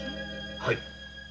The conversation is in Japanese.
はい！